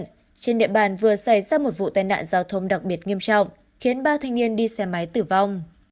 trên địa bàn vừa xảy ra một vụ tai nạn giao thông đặc biệt nghiêm trọng khiến ba thanh niên đi xe máy tử vong